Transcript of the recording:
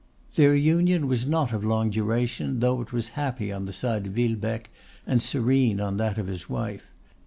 Their union was not of long duration, though it was happy on the side of Villebecque, and serene on that of his wife.